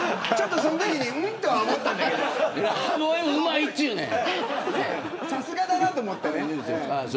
そのときにんんっとは思ったけどさすがだなと思ったね。